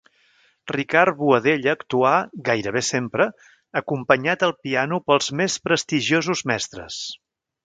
Ricard Boadella actuà, gairebé sempre, acompanyat al piano pels més prestigiosos mestres.